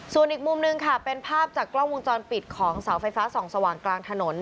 ส่วนอีกมุมหนึ่งค่ะเป็นภาพจากกล้องวงจรปิดของเสาไฟฟ้าส่องสว่างกลางถนน